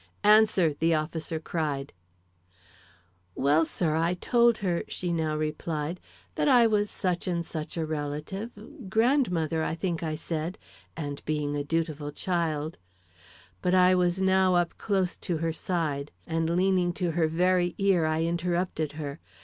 "Answer!" the officer cried. "Well, sir, I told her," she now replied, "that I was such and such a relative, grandmother, I think I said; and being a dutiful child " But I was now up close to her side, and, leaning to her very ear I interrupted her.